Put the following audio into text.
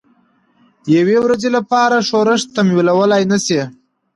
یوې ورځې لپاره ښورښ تمویلولای نه شي.